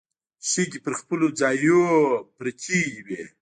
شګې پر خپلو ځايونو پرتې وې.